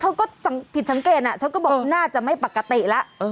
เธอก็ผิดสังเกตเธอก็บอกน่าจะไม่ปกติแล้ว